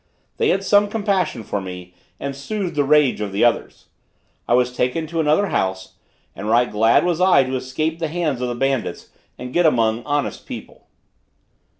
They had some compassion for me, and soothed the rage of the others. I was taken to another house, and right glad was I to escape the hands of the bandits, and get among honest people.